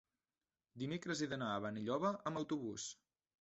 Dimecres he d'anar a Benilloba amb autobús.